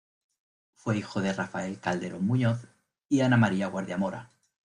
Fue hijo de Rafael Calderón Muñoz y Ana María Guardia Mora.